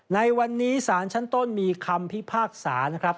ในวันนี้สารชั้นต้นมีคำพิพากษานะครับ